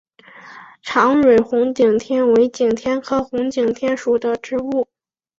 长蕊红景天为景天科红景天属的植物。